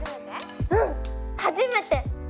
うん初めて！